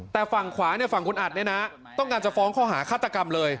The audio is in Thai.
แต่ฝั่งขวาฝั่งคุณอัดเนี่ยนะต้องการจะฟ้องข้อหาฆาตกรรมเลย